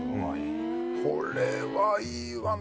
これはいいわ。